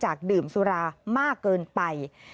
จากดื่มสุราร์ติมากเกินไป